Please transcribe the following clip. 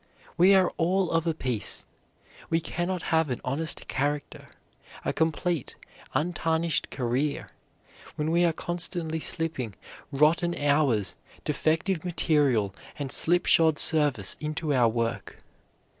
We are all of a piece. We cannot have an honest character, a complete, untarnished career, when we are constantly slipping rotten hours, defective material and slipshod service into our work.